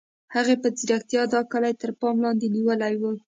هغې په ځیرتیا دا کلی تر پام لاندې نیولی و